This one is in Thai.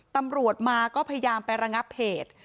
ตำรวจมาก็พยายามไประงับเหตุ